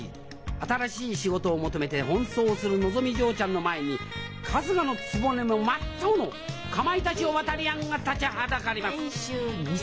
新しい仕事を求めて奔走するのぞみ嬢ちゃんの前に春日局も真っ青のかまいたちオバタリアンが立ちはだかります